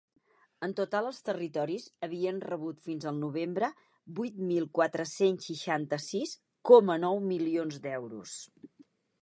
En total els territoris havien rebut fins al novembre vuit mil quatre-cents seixanta-sis coma nou milions d’euros.